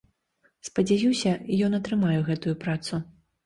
Спадзяюся, ён атрымае гэтую працу.